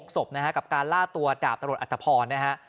๖ศพนะฮะกับการล่าตัวดาบตำรวจอัตภพรนะฮะ